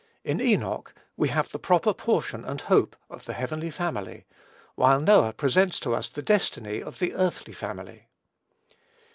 In Enoch, we have the proper portion and hope of the heavenly family; while Noah presents to us the destiny of the earthly family.